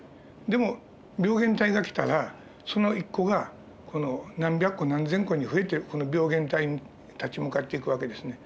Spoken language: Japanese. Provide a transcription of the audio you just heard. でも病原体が来たらその１個が何百個何千個に増えて病原体に立ち向かっていく訳ですね。